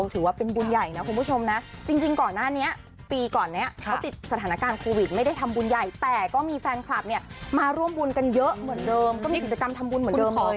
ถือว่าเป็นบุญใหญ่นะคุณผู้ชมนะจริงก่อนหน้านี้ปีก่อนนี้เขาติดสถานการณ์โควิดไม่ได้ทำบุญใหญ่แต่ก็มีแฟนคลับเนี่ยมาร่วมบุญกันเยอะเหมือนเดิมก็มีกิจกรรมทำบุญเหมือนเดิมของ